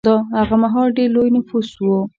هغه مهال ډېر لوی نفوس و.